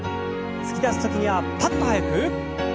突き出す時にはパッと速く。